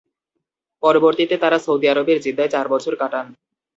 পরবর্তীতে তারা সৌদি আরবের জেদ্দায় চার বছর কাটান।